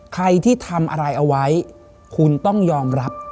ใครที่ทำอะไรเอาไว้คุณต้องยอมรับ